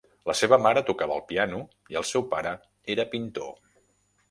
La seva mare tocava el piano i el seu pare era pintor.